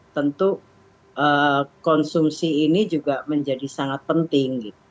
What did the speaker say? tentu konsumsi ini juga menjadi sangat penting